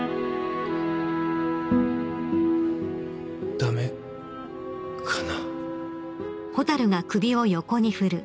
駄目かな？